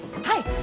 はい。